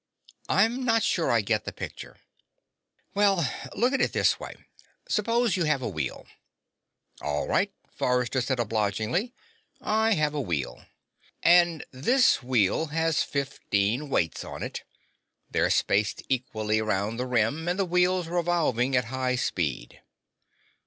"I'm not sure I get the picture." "Well, look at it this way: suppose you have a wheel." "All right," Forrester said obligingly. "I have a wheel." "And this wheel has fifteen weights on it. They're spaced equally around the rim, and the wheel's revolving at high speed."